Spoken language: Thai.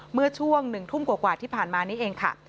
เมื่อช่วง๑ทุ่มกว่าที่ผ่านมานี้เองค่ะ